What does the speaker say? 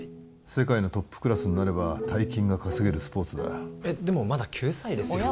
世界のトップクラスになれば大金が稼げるスポーツだでもまだ９歳ですよ